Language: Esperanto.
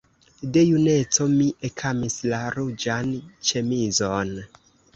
De juneco mi ekamis la ruĝan ĉemizon.